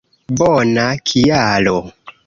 Bona kialo